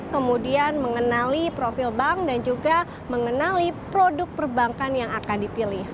kemudian mengenali profil bank dan juga mengenali produk perbankan yang akan dipilih